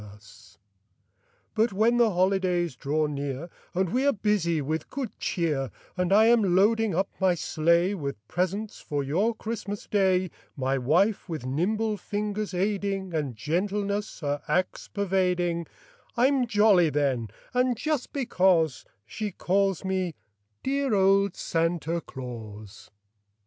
'" C ' S '^!' S > jn|B r*5v;'j ll 1 S I 1 1 1 1^*1 Copyrighted, 1897 lUT when the holidays draw near And we are busy with good cheer, And I am loading up my sleigh With presents for your Christmas Day, My wife with nimble fingers aiding, And gentleness her acts pervading, I'm jolly then, and just because She calls me 'dear old Santa Claus.